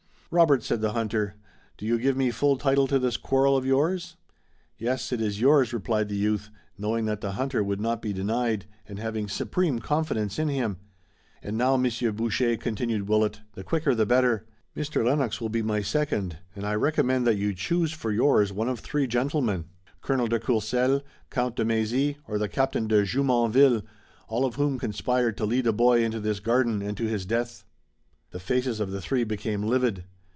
"Robert," said the hunter, "do you give me full title to this quarrel of yours?" "Yes, it is yours," replied the youth, knowing that the hunter would not be denied, and having supreme confidence in him. "And now, Monsieur Boucher," continued Willet, "the quicker the better. Mr. Lennox will be my second and I recommend that you choose for yours one of three gentlemen, Colonel de Courcelles, Count de Mézy or the Captain de Jumonville, all of whom conspired to lead a boy into this garden and to his death." The faces of the three became livid.